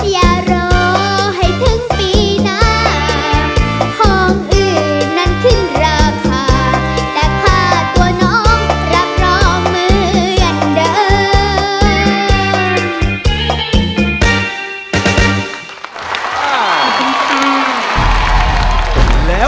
อย่ารอให้ถึงปีน้า